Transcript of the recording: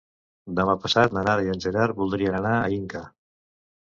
Demà passat na Nara i en Gerard voldrien anar a Inca.